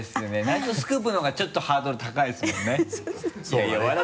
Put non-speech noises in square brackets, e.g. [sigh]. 「ナイトスクープ」のほうがちょっとハードル高いですもんねハハハ [laughs]